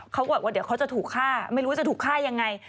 เขาบอกว่าเดี๋ยวเขาจะถูกฆ่าไม่รู้จะถูกฆ่ายังไง